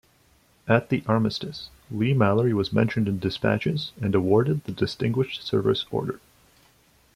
At the Armistice, Leigh-Mallory was mentioned in despatches and awarded the Distinguished Service Order.